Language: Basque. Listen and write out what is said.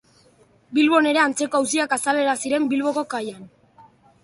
Bilbon ere antzeko auziak azalera ziren Bilboko kaian.